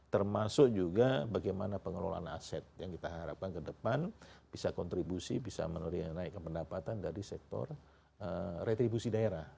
termasuk juga bagaimana pengelolaan aset yang kita harapkan ke depan bisa kontribusi bisa menurunkan pendapatan dari sektor retribusi daerah